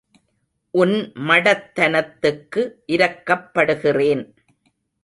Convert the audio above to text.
உன் மடத்தனத்துக்கு இரக்கப் படுகிறேன்.